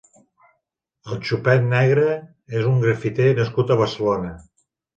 El Xupet Negre és un grafiter nascut a Barcelona.